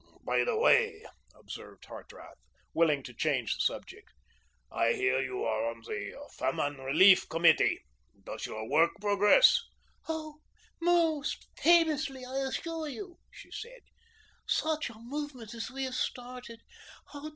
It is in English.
"By the way," observed Hartrath, willing to change the subject, "I hear you are on the Famine Relief Committee. Does your work progress?" "Oh, most famously, I assure you," she said. "Such a movement as we have started.